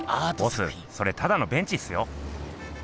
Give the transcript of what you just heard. ボスそれただのベンチっすよ。